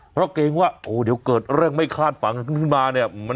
เพราะเกรงว่าโอ้เดี๋ยวเกิดเรื่องไม่คาดฝันขึ้นมาเนี่ย